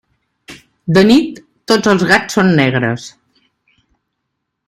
De nit tots els gats són negres.